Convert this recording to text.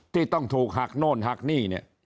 ที่ต้องถูกหักโน่นหักหนี้เนี่ย